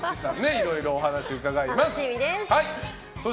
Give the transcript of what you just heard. いろいろお話伺います。